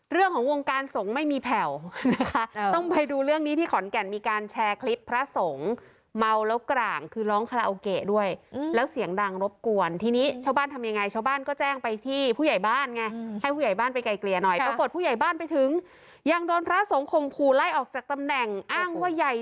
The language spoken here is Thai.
เรื่องของการสงฆ์ไม่มีแผ่วนะคะต้องไปดูเรื่องนี้ที่ขอนแก่นมีการแชร์คลิปพระสงฆ์เมาแล้วกร่างคือร้องคาราโอเกะด้วยแล้วเสียงดังรบกวนทีนี้ชาวบ้านทำยังไงชาวบ้านก็แจ้งไปที่ผู้ใหญ่บ้านไงให้ผู้ใหญ่บ้านไปไกลเกลี่ยหน่อยปรากฏผู้ใหญ่บ้านไปถึงยังโดนพระสงฆ์ข่มขู่ไล่ออกจากตำแหน่งอ้างว่าใหญ่